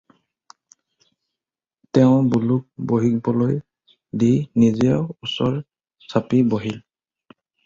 তেওঁ বলোক বহিবলৈ দি নিজেও ওচৰ চাপি বহিল।